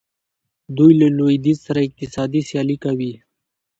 دوی له لویدیځ سره اقتصادي سیالي کوي.